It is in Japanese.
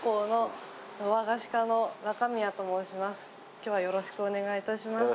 今日はよろしくお願いいたします。